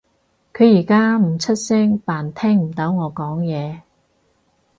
佢而家唔出聲扮聽唔到我講嘢